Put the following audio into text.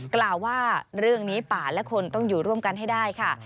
กล่าวว่าเรื่องนี้ป่าและคนต้องอยู่ร่วมกันให้ได้ค่ะ